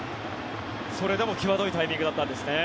それでも際どいタイミングだったんですね。